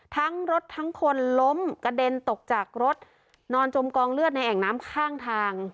ทั้งรถทั้งคนล้มกระเด็นตกจากรถนอนจมกองเลือดในแอ่งน้ำข้างทาง